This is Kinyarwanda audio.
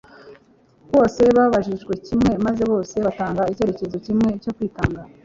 bose babajijwe kimwe, maze bose batanga icyitegererezo kimwe cyo kwitanga.